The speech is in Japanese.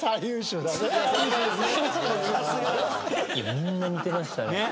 みんな似てましたね。